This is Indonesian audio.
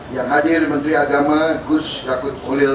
yang hadir menteri agama gus yakut kulil